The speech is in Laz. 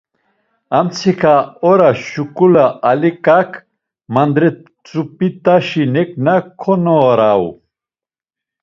Amtsika ora şiǩule Aliǩak mandretzup̌ut̆aşi neǩna konorau.